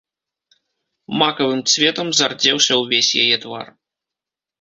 Макавым цветам зардзеўся ўвесь яе твар.